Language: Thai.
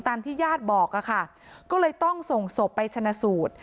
ที่ญาติบอกอะค่ะก็เลยต้องส่งศพไปชนะสูตร